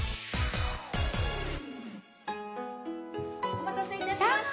お待たせいたしました。